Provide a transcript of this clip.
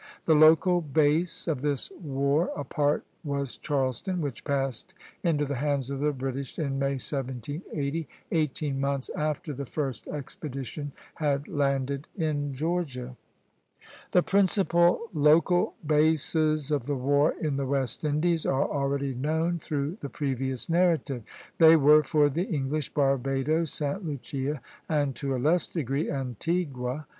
The local base of this war apart was Charleston, which passed into the hands of the British in May, 1780, eighteen months after the first expedition had landed in Georgia. The principal local bases of the war in the West Indies are already known through the previous narrative. They were for the English, Barbadoes, Sta. Lucia, and to a less degree Antigua.